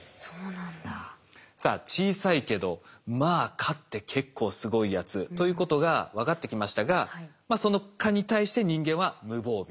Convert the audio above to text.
蚊って結構すごいやつということが分かってきましたがその蚊に対して人間は無防備だと。